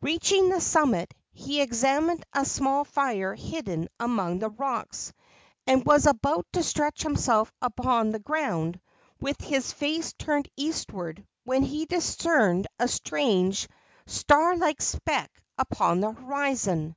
Reaching the summit, he examined a small fire hidden among the rocks, and was about to stretch himself upon the ground, with his face turned eastward, when he discerned a strange, star like speck upon the horizon.